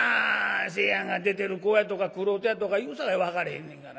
清やんが『出てる妓』やとか『玄人や』とか言うさかい分からへんねんから。